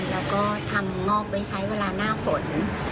แล้วก็ทำงอกไว้ใช้เวลาหน้าฝน